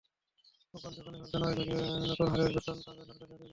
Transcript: প্রজ্ঞাপন যখনই হোক, জানুয়ারি থেকে নতুন হারে বেতন পাবেন সরকারি চাকরিজীবীরা।